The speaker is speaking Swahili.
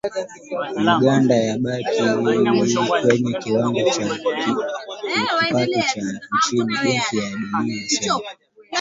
Uganda yabakia kwenye kiwango cha kipato cha chini, Benki ya Dunia yasema.